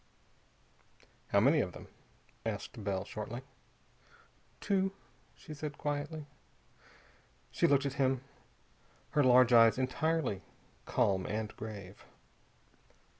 "How many of them?" asked Bell shortly. "Two," she said quietly. She looked at him, her large eyes entirely calm and grave.